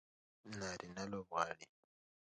نارینه لوبغاړي